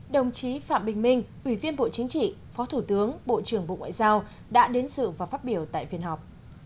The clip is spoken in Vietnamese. đồng chí phạm bình minh ủy viên bộ chính trị phó thủ tướng bộ trưởng bộ ngoại giao đã đến dự và phát biểu tại phiên họp